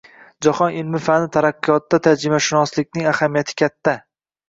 Jahon ilm-fani taraqqiyotida tarjimashunoslikning ahamiyati kattang